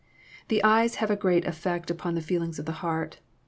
The eyes have a great effect on the feel ings of the heart.